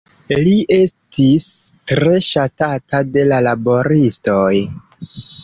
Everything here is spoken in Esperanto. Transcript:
Li estis tre ŝatata de la laboristoj.